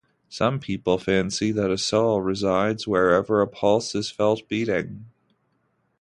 Some people fancy that a soul resides wherever a pulse is felt beating.